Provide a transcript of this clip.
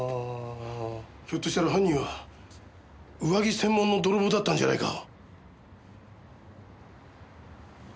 ひょっとしたら犯人は上着専門の泥棒だったんじゃないか？